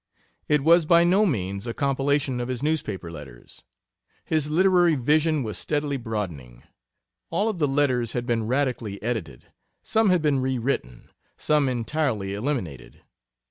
It was by no means a compilation of his newspaper letters. His literary vision was steadily broadening. All of the letters had been radically edited, some had been rewritten, some entirely eliminated.